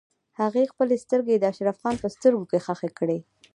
هغې خپلې سترګې د اشرف خان په سترګو کې ښخې کړې.